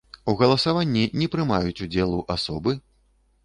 У галасаванні не прымаюць удзелу асобы.